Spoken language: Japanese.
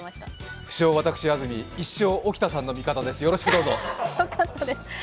不詳私、安住、一生沖田さんの味方です。